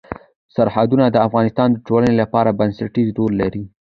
سرحدونه د افغانستان د ټولنې لپاره بنسټيز رول لري.